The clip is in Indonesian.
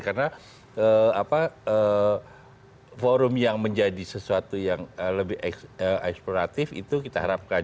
karena forum yang menjadi sesuatu yang lebih eksploratif itu kita harapkan